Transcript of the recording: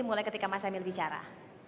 mulai ketika mas emil bicara